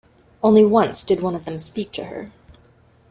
Only once did one of them speak to her.